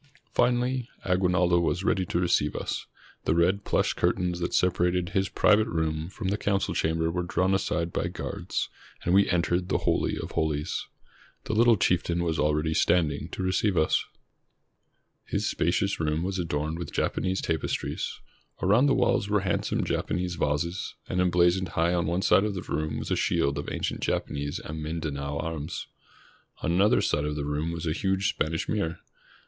Finally Aguinaldo was ready to receive us. The red plush curtains that separated his private room from the council chamber were drawn aside by guards, and we entered the holy of holies. The httle chieftain was already standing to receive us. 539 ISLANDS OF THE PACIFIC His spacious room was adorned with Japanese tapes tries. Around the walls were handsome Japanese vases, and emblazoned high on one side of the room was a shield of ancient Japanese and Mindanao arms. On another side of the room was a huge Spanish mirror.